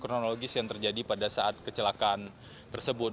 kronologis yang terjadi pada saat kecelakaan tersebut